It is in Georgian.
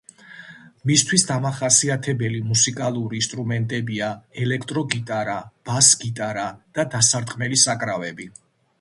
მისთვის დამახასიათებელი მუსიკალური ინსტრუმენტებია: ელექტრო გიტარა, ბას-გიტარა და დასარტყმელი საკრავები.